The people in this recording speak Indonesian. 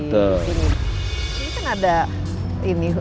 ini kan ada ini